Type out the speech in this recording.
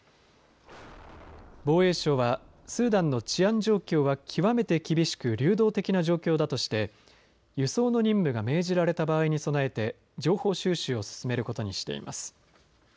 防衛省はスーダンの治安状況は極めて厳しく流動的な状況だとして輸送の任務が命じられた場合に備えて情報収集を進めることにしています。